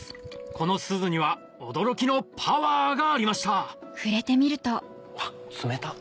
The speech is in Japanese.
この錫には驚きのパワーがありましたあっ冷たっ。